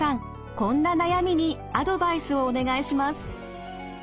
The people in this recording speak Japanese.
こんな悩みにアドバイスをお願いします。